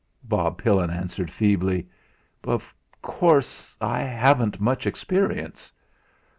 Bob Pillin answered feebly: "Of course, I haven't much experience."